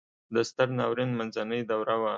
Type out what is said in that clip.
د ستر ناورین منځنۍ دوره وه.